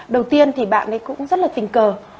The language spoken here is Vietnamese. đầu tiên thì bạn ấy cũng rất là tình cờ